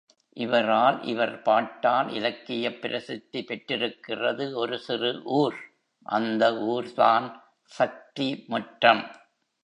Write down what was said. இவரால், இவர், பாட்டால் இலக்கியப் பிரசித்தி பெற்றிருக்கிறது ஒரு சிறு ஊர், அந்த ஊர்தான் சக்திமுற்றம்.